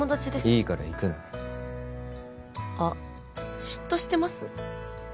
いいから行くなあ嫉妬してます？